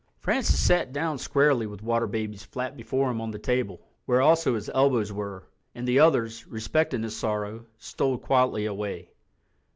Francis sat down squarely with The Water Babies flat before him on the table, where also his elbows were, and the others, respecting his sorrow, stole quietly away.